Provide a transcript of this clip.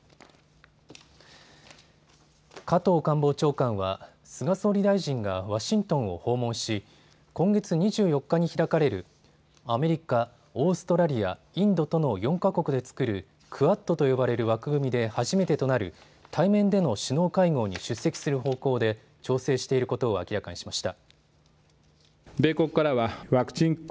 加藤官房長官は菅総理大臣がワシントンを訪問し今月２４日に開かれるアメリカ、オーストラリア、インドとの４か国で作るクアッドと呼ばれる枠組みで初めてとなる対面での首脳会合に出席する方向で調整していることを明らかにしました。